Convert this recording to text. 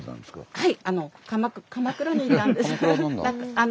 はい。